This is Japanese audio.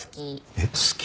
えっ好き？